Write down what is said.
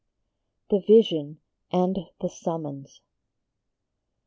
THE VISION AND THE SUMMONS.